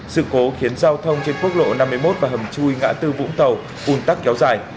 sự cố khiến giao thông trên quốc lộ năm mươi một và hầm chui ngã tư vũng tàu ủn tắc kéo dài